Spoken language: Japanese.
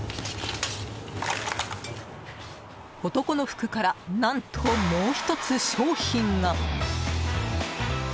男の服から、何ともう１つ商品が。